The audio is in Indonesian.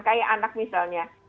kayak anak misalnya